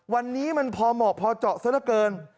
วันนี้มันพอเหมาะพอเจาะซะละเกิน